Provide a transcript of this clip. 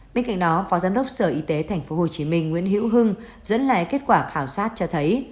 bên cạnh đó phó giám đốc sở y tế tp hcm nguyễn hữu hưng dẫn lại kết quả khảo sát cho thấy